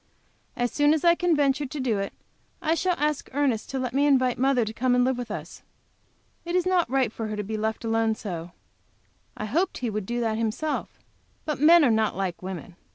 As soon as I can venture to it, I shall ask Ernest to let me invite mother to come and live with us. It is not right for her to be left all alone so I hoped he would do that himself. But men are not like women.